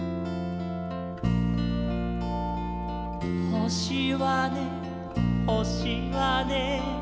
「ほしはねほしはね」